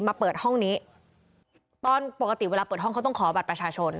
มาเปิดห้องนี้ตอนปกติเวลาเปิดห้องเขาต้องขอบัตรประชาชน